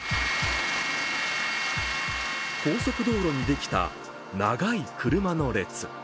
高速道路にできた長い車の列。